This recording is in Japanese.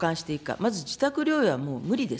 まず自宅療養はもう無理です。